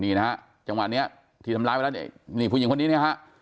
นี่นะฮะจังหวะนี้ที่ทำร้ายไปแล้วเนี่ยนี่ผู้หญิงคนนี้เนี่ยฮะ